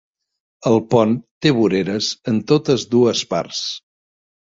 El pont té voreres en totes dues parts.